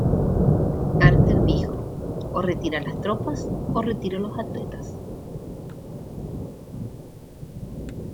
Carter dijo: "O retiran las tropas... o retiro a los atletas".